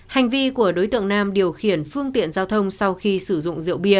hành vi của đối tượng nam điều khiển phương tiện giao thông sau khi sử dụng rượu bia